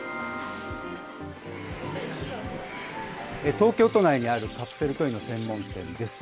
東京都内にあるカプセルトイの専門店です。